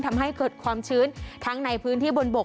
ทำให้เกิดความชื้นทั้งในพื้นที่บนบก